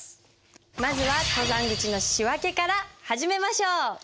まずは登山口の「仕訳」から始めましょう！